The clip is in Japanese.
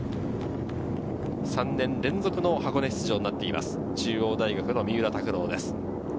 ３年連続の箱根出場となっています、中央大学の三浦拓朗です。